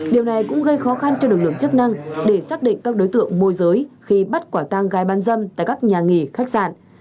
điều này cũng gây khó khăn cho lực lượng chức năng để xác định các đối tượng môi giới khi bắt quả tăng gái bán dâm tại các nhà nghỉ khách sạn